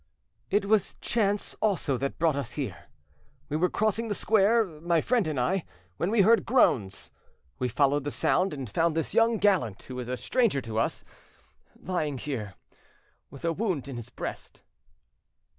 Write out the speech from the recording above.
"It was chance also that brought us here. We were crossing the square, my friend and I, when we heard groans. We followed the sound, and found this young gallant, who is a stranger to us, lying here, with a wound in his breast."